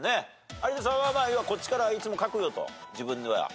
有田さんはこっちからいつも書くよと自分では。